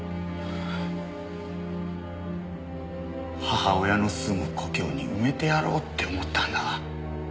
母親の住む故郷に埋めてやろうって思ったんだ。